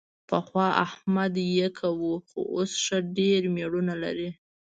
پخوا احمد یکه و، خو اوس ښه ډېر مېړونه لري.